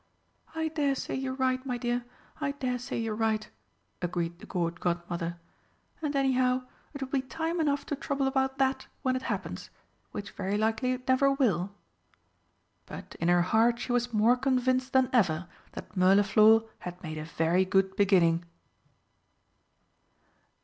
"I dare say you're right, my dear, I dare say you're right," agreed the Court Godmother. "And anyhow, it will be time enough to trouble about that when it happens which very likely it never will." But in her heart she was more convinced than ever that Mirliflor had made a very good beginning.